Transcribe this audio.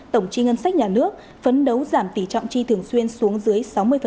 tổng chi ngân sách nhà nước phấn đấu giảm tỉ trọng chi thường xuyên xuống dưới sáu mươi